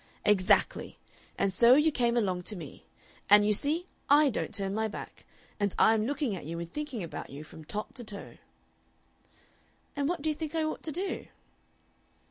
"Exactly! And so you came along to me. And you see, I don't turn my back, and I am looking at you and thinking about you from top to toe." "And what do you think I ought to do?"